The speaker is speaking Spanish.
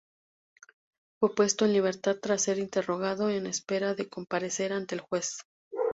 Fue puesto en libertad tras ser interrogado, en espera de comparecer ante el Juez.